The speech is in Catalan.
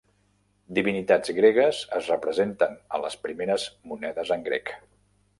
Divinitats gregues, es representen a les primeres monedes en grec.